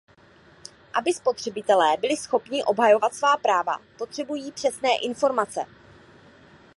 Aby spotřebitelé byli schopní obhajovat svá práva, potřebují přesné informace.